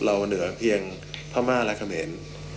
เหนือเพียงพม่าและเขมร